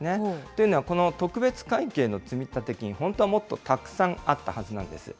というのは、この特別会計の積立金、本当はもっとたくさんあったはずなんですよ。